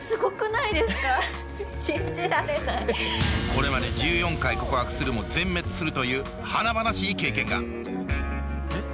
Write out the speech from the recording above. これまで１４回告白するも全滅するという華々しい経験が。